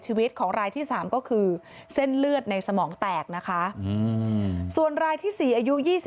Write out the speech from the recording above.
ชีวิตของรายที่๓ก็คือเส้นเลือดในสมองแตกนะคะส่วนรายที่๔อายุ๒๒